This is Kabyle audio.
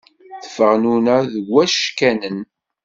Teffeɣ nuna deg wackanen.